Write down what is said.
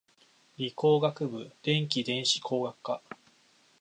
理工学部電気電子工学科